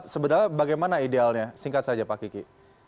sebenarnya bagaimana idealnya singkat saja pak kiki